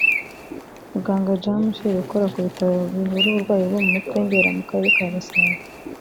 Muganga Jean Michel ukora ku bitaro bivura uburwayi bwo mu mutwe i Ndera mu karere ka Gasabo